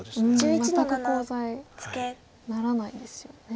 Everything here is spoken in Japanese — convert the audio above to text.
全くコウ材ならないんですよね。